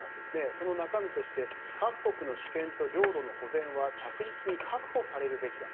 その中身として各国の主権と領土の保全は着実に確保されるべきだ。